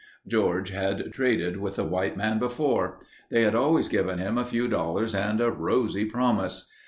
George had traded with the white man before. They had always given him a few dollars and a rosy promise.